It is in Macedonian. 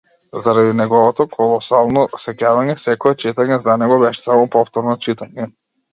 Заради неговото колосално сеќавање, секое читање за него беше само повторно читање.